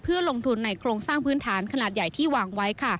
ลงทุนในโครงสร้างพื้นฐานขนาดใหญ่ที่วางไว้